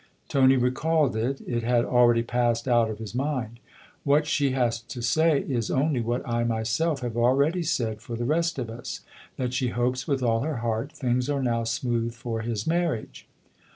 Tony recalled it it had already passed out of his mind. " What she has to say is only what I myself have already said for the rest of us that she hopes with all her heart things are now smooth for his marriage."